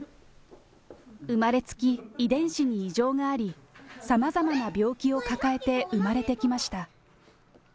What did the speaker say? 生まれつき遺伝子に異常があり、さまざまな病気を抱えて生まれてきました。